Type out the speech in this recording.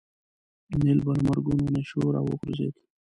نیل به له مرګونو نېشو راوغورځېد.